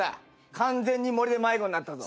完全に森で迷子になったぞ。